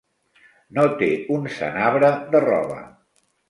No té un senabre de roba.